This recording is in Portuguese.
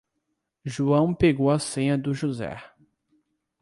João pegou a senha do José.